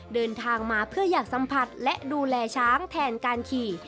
เดินทางมาเพื่ออยากสัมผัสและดูแลช้างแทนการขี่